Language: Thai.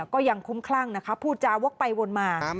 ก็ยังคุ้มคลั่งผู้จับว่าไปวนมา